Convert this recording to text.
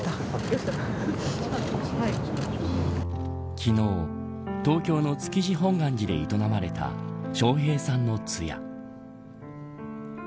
昨日、東京の築地本願寺で営まれた笑瓶さんの通夜。